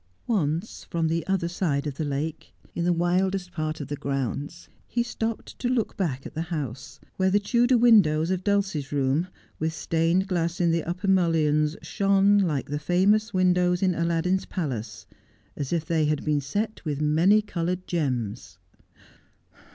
Once, from the other side of the lake, in the wildest part of the grounds, he stopped to look back at the house, where the Tudor windows of Dulcie's room, with stained glass in the upper mullions, shone, like the famous windows in Aladdin's palace— as if they had been set with many coloured gems.